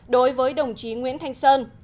đối với đồng chí nguyễn thanh sơn